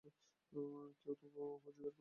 কাউকে তো খুঁজে বের করব আমরা।